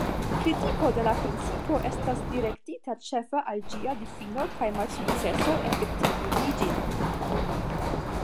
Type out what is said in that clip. Kritiko de la principo estas direktita ĉefe al ĝia difino kaj malsukceso efektivigi ĝin.